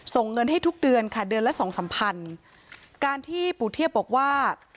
เงินให้ทุกเดือนค่ะเดือนละสองสามพันการที่ปู่เทียบบอกว่า